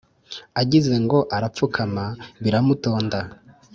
Agize ngo arapfukama biramutonda.